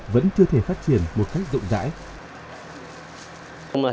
vẫn chưa thể phát triển một cách rộng rãi